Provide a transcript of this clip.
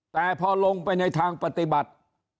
แต่พอลงไปในทางปฏิบัติ